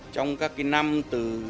trong các năm từ một mươi bảy một mươi chín